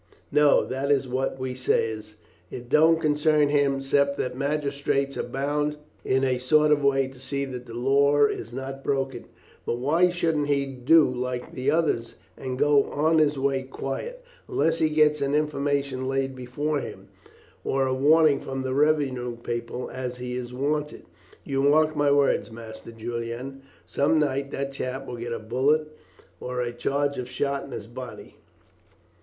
"No; that is what we says. It don't concern him, 'cept that magistrates are bound in a sort of way to see that the law is not broken. But why shouldn't he do like the others and go on his way quiet, unless he gets an information laid before him, or a warning from the revenue people as he is wanted. You mark my words, Master Julian, some night that chap will get a bullet or a charge of shot in his body."